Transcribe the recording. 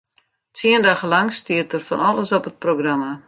Tsien dagen lang stiet der fan alles op it programma.